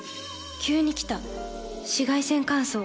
急に来た紫外線乾燥。